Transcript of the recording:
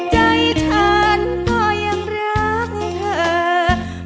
ใจฉันก็ยังรักเธอ